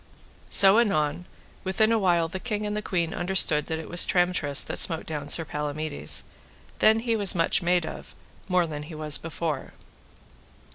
So anon, within a while the king and the queen understood that it was Tramtrist that smote down Sir Palamides; then was he much made of, more than he was before.